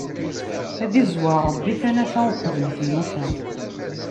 Ad izwer Ṛebbi tanafa qbel tilufa!